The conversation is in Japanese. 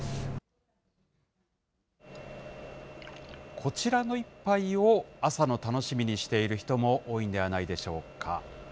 こちらの一杯を朝の楽しみにしている人も多いんではないでし